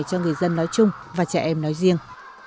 cho người dân nói chung và trẻ em nói riêng